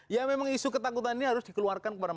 ya memang isu ketakutan ini harus dikeluarkan kepada